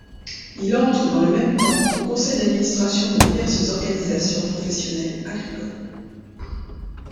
Il entre dans le même temps au Conseil d'Administration de diverses organisations professionnelles agricoles.